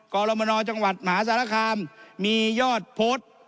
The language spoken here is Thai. กรมนจังหวัดมหาสารคามมียอดโพสต์